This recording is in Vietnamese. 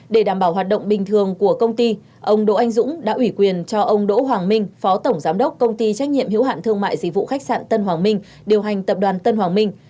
để đảm bảo hoạt động bình thường của công ty ông đỗ anh dũng đã ủy quyền cho ông đỗ hoàng minh phó tổng giám đốc công ty trách nhiệm hiếu hạn thương mại dịch vụ khách sạn tân hoàng minh điều hành tập đoàn tân hoàng minh